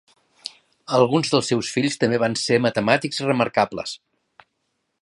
Alguns dels seus fills també van ser matemàtics remarcables.